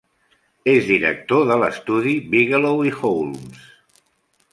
És director de l'estudi Bigelow i Holmes.